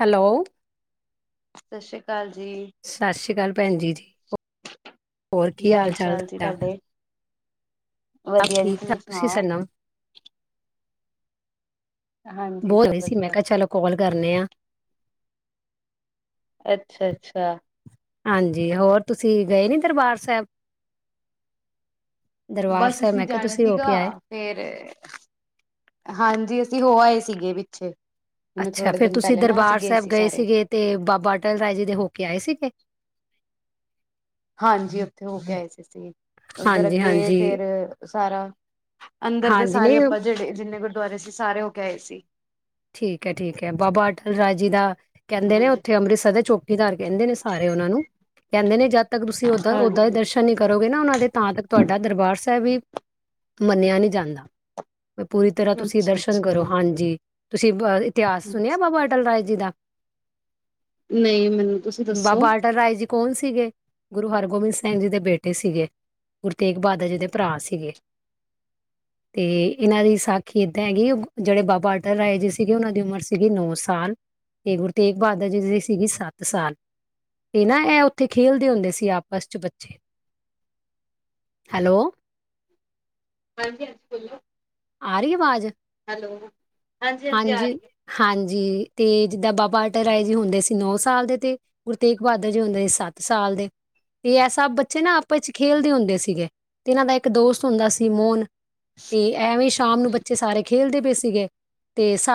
Hello ਸਤਿ ਸ੍ਰੀ ਅਕਾਲ ਜੀ ਸਤਿ ਸ੍ਰੀ ਅਕਾਲ ਭੈਣ ਜ ਜੀ। ਹੋਰ ਕੀ ਹਾਲ ਚਾਲ ਤੁਹਾਡਾ। ਸਭ ਵਧੀਆ ਜੀ ਠੀਕ ਠਾਕ, ਤੁਸੀਂ ਸੁਣਾਓ ਸੁਨੋ ਹਾਂਜੀ ਬੋਲ ਸਭ ਰਹੇ ਸੀ, ਮੈਂ ਵਧੀਆ ਕਿਹਾ ਚਲੋ ਕਾੱਲ ਕਰਨੇ ਆ। ਅੱਛਾ ਅੱਛਾ ਹਾਂਜੀ, ਹੋਰ ਤੁਸੀਂ ਗਏ ਨੀ ਦਰਬਾਰ ਸਾਹਿਬ। ਦਰਬਾਰ ਬਸ ਸਾਹਿਬ ਅਸੀਂ ਮੈਂ ਕਿਹਾ ਜਾਣਾ ਤੁਸੀਂ ਹੋ ਸੀਗਾ ਕੇ ਆਏ। ਫੇਰ, ਹਾਂਜੀ ਅਸੀਂ ਹੋ ਆਏ ਸੀ। ਸੀਗੇ ਪਿੱਛੇ ਹੁਣੇ ਅੱਛਾ ਥੋੜੇ ਫਿਰ ਦਿਨ ਤੁਸੀਂ ਪਹਿਲੇ ਨਾ ਅਸੀਂ ਦਰਬਾਰ ਸਾਹਿਬ ਸੀ ਗਏ ਸਾਰੇ ਸੀਗੇ ਤੇ ਬਾਬਾ ਅਟਲ ਰਾਏ ਜੀ ਦੇ ਹੋ ਕੇ ਆਏ ਸੀਗੇ ਹਾਂਜੀ ਉੱਥੇ ਹੋ ਗਏ ਸੀ ਅਸੀ। ਉੱਧਰ ਹਾਂਜੀ, ਅੱਗੇ ਹਾਂਜੀ, ਫੇਰ। ਸਾਰਾ। ਅੰਦਰ ਤੇ ਹਾਂਜੀ ਸਾਰੇ ਨਹੀਂ ਆਪਾਂ ਜਿਹੜੇ ਜਿੰਨੇ ਗੁਰ। ਗੁਰਦੁਆਰੇ ਅਸੀ ਸਾਰੇ ਹੋ ਕੇ ਆਏ ਸੀ। ਜਿਦਾ। ਕਹਿੰਦੇ ਨੇ ਹਾਂਜੀ ਉੱਥੇੰ ਅੰਮ੍ਰਿਤਸਰ ਦੇ ਛੋ ਫੀ ਜਾਂ ਰਹੀ ਕਹਿੰਦੇ ਨੇ ਸਾਰੇ ਉਹਨਾਂ ਨੂੰ, ਕਹਿੰਦੇ ਨੇ ਜਦ ਤੱਕ ਤੁਸੀਂ ਓਦਾਂ ਓਦਾਂ ਦੇ ਹਾਂਜੀ ਦਰਸ਼ਨ ਨਹੀਂ ਕਰੋਗੇ ਨਾ ਉਹਨਾਂ ਦੇ ਤਾਂ ਤ ਤੁਹਾਡਾ ਦਰਬਾਰ ਸਾਹਿਬ ਵੀ ਮੰਨਿਆ ਨਹੀਂ ਜਾਂਦਾ। ਪੂਰੀ ਤਰ੍ਹਾਂ ਤੁਸੀਂ ਅੱਛਾ ਦਰਸ਼ਨ ਅੱਛਾ ਕਰੋ, ਹਾਂਜੀ। ਤੁਸੀਂ ਵਾਰੀ ਤਿਆ ਸੁਣਿਆ ਬਾਾਬਾ ਅਟਲ ਰਾਏ ਜੀ ਦਾ ਨਹੀਂ ਮੈਨੂੰ ਤੁਸੀਂ ਦੱਸੋ ਬਾਬਾ ਅਟਲ ਰਾਏ ਜੀ ਕੌਣ ਸੀਗੇ ਗੁਰੂ ਹਰਗੋਬਿੰਦ ਸਿੰਘ ਜੀ ਦੇ ਬੇਟੇ ਸੀਗੇ ਗੁਰੂ ਤੇਗ ਬਹਾਦਰ ਜੀ ਦੇ ਭਰਾ ਸੀਗੇ ਤੇ ਇਹਨਾਂ ਦੀ ਸਾਖੀ ਏਦਾਂ ਹੈਗੀ ਜਿਹੜੇ ਬਾਬਾ ਅਟਲ ਰਾਏ ਜੀ ਸੀਗੇ ਉਹਨਾਂ ਦੀ ਉਮਰ ਸੀਗੀ ਨੌ ਸਾਲ ਤੇ ਗੁਰੂ ਤੇਗ ਬਹਾਦਰ ਜੀ ਦੀ ਸੀਗੀ ਸੱਤ ਸਾਲ ਤੇ ਨਾ ਇਹ ਉੱਥੇ ਖੇਲਦੇ ਹੁੰਦੇ ਸੀ ਆਪਸ ਚ ਬੱਚੇ ਹੈਲੋ ਹਾਂਜੀ ਹਾਂਜੀ ਬੋਲੋ ਆ ਰਹੀ ਆਵਾਜ਼ ਹੈਲੋ ਆ ਰਹੀ ਹੈ ਹਾਂਜੀ ਹਾਂਜੀ ਤੇ ਜਿੱਦਾਂ ਬਾਬਾ ਅਟਲ ਰਾਏ ਜੀ ਹੁੰਦੇ ਸੀ ਨੌ ਸਾਲ ਦੇ ਤੇ ਗੁਰੂ ਤੇਗ ਬਹਾਦਰ ਜੀ ਹੁੰਦੇ ਸੀ ਸੱਤ ਸਾਲ ਦੇ ਤੇ ਇਹ ਸਭ ਬੱਚੇ ਨਾ ਆਪਸ ਵਿੱਚ ਖੇਲਦੇ ਹੁੰਦੇ ਸੀਗੇ ਤੇ ਇਹਨਾਂ ਦਾ ਇੱਕ ਦੋਸਤ ਹੁੰਦਾ ਸੀ ਮੋਹਨ ਤੇ ਐਵੇਂ ਸ਼ਾਮ ਨੂੰ ਬੱਚੇ ਸਾਰੇ ਖੇਲਦੇ ਪੇ ਸੀਗੇ ਤੇ ਸ